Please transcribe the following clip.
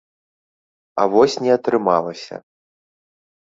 А вось не атрымалася.